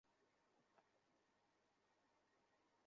আমরা সরকারকে বলেছি, যেসব কর্মী আমরা পাঠাব, প্রয়োজনে তাঁদের বিমা করে দেব।